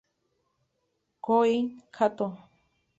Kohei Kato